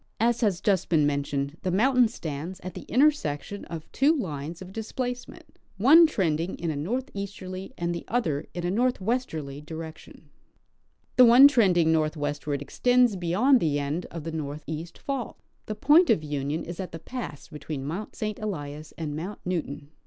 As has just been mentioned, the mountain stands at the intersection of two lines of displacement, one trending in a northeasterly and the other in a northwesterly direction. Tlie one trending north V . Age of the St. Elias Range. 175 westward extends beyond the end of the northeast fault. The pomt of union is at the pass between Mount St. Elias and Mount Newton.